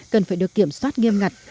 cần phải được kiểm soát nghiêm ngặt